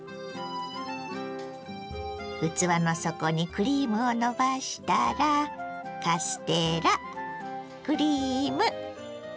器の底にクリームをのばしたらカステラクリームカステラ。